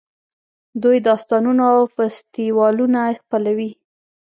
دوی داستانونه او فستیوالونه خپلوي.